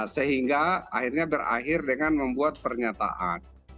sehingga akhirnya berakhir dengan membuat pernyataan